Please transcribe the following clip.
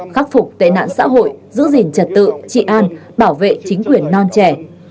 khắc phục tệ nạn xã hội giữ gìn trật tự trị an bảo vệ chính quyền non trẻ